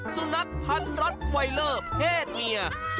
สถานยังรถไว้เลิกแทศเมีย